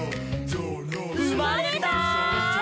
「うまれたー！」